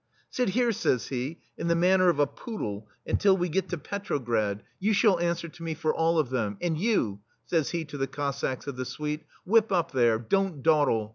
" Sit here," says he, " in the manner of a poodle, until we get to Petrograd THE STEEL FLEA — you shall answer to me for all of them. And you/* says he to the Cossacks of the Suite, "whip up, there! Don't dawdle